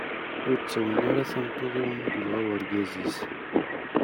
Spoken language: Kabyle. Ur d-ttawin ara tameṭṭut iwumi i yebra urgaz-is.